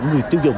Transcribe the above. người tiêu dùng